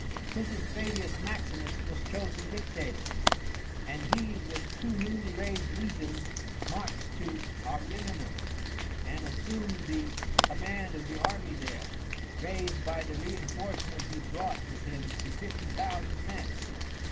Quintus Fabius Maximus was chosen dictator, and he with two newly raised legions marched to Ariminum and assumed the command of the army there, raised by the reinforcements he brought with him to fifty thousand men.